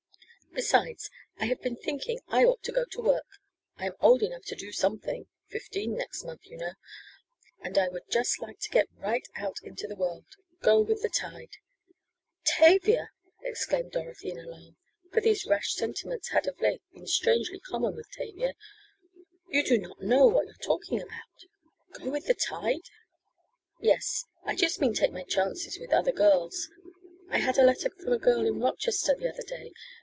Besides I have been thinking I ought to go to work. I am old enough to do something fifteen next month you know and I would just like to get right out into the world go with the tide." "Tavia!" exclaimed Dorothy in alarm, for these rash sentiments had of late been strangely common with Tavia. "You do not know what you are talking about. Go with the tide " "Yes, I just mean take my chances with other girls. I had a letter from a girl in Rochester the other day.